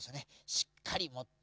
しっかりもって！